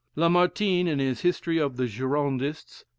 Lamartine, in his "History of the Girondists," p.